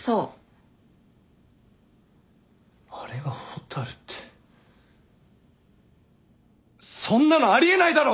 あれが蛍ってそんなのあり得ないだろ！